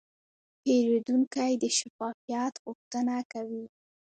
پیرودونکی د شفافیت غوښتنه کوي.